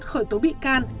khởi tố bị can